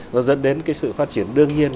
nó dẫn đến sự phát triển đương nhiên